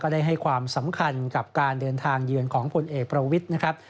ได้ให้ความสำคัญกับการเดินทางเยือนของผลเอกประวิทย์นะครับ